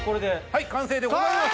はい完成でございます。